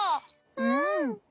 うん！